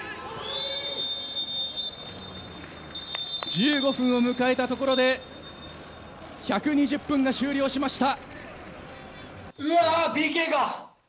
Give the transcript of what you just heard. １５分を迎えたところで１２０分が終了しました。